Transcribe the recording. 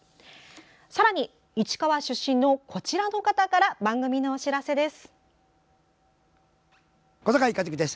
さらに、市川出身のこちらの方から番組のお知らせです。